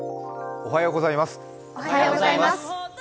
おはようございます。